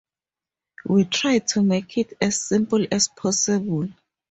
We tried to make it as simple as possible.